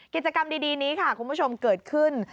กิจกรรมดีนี้ค่ะคุณผู้ชมเกิดขึ้น